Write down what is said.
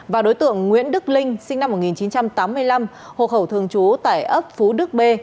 và đối tượng nguyễn đức linh sinh năm một nghìn chín trăm tám mươi năm hộ khẩu thường trú tại ấp phú đức b